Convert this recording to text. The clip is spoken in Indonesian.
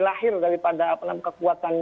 lahir daripada kekuatan